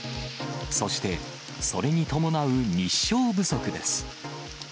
そしてそれに伴う日照不足です。